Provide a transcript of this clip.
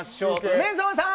梅澤さん。